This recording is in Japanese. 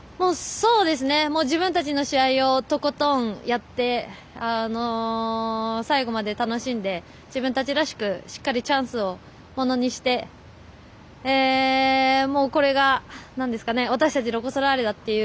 自分たちの試合をとことんやって最後まで楽しんで自分たちらしくしっかりチャンスをものにしてもうこれが私たちロコ・ソラーレだという